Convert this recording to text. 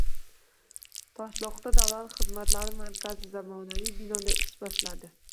Toshloqda davlat xizmatlari markazi zamonaviy binoda ish boshladi